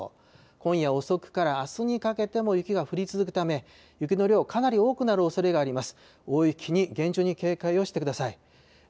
今夜遅くからあすにかけても雪が降り続くため、雪の量、かなり多くなるおそれがあります。